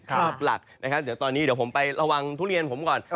ตอนนี้เดี๋ยวผมไประวังทุเรียนผมก่อน